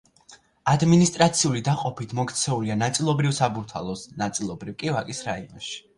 ადმინისტრაციული დაყოფით მოქცეულია ნაწილობრივ საბურთალოს, ნაწილობრივ კი ვაკის რაიონში.